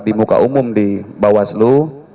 di muka umum di bawaslu